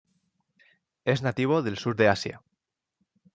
Es nativo del sur de Asia.